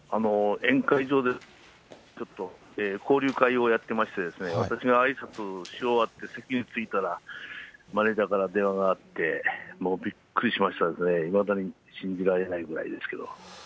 交流会をやってましてですね、私があいさつし終わって席に着いたら、マネージャーから電話があって、もうびっくりしましたですね、いまだに信じられないぐらいですけど。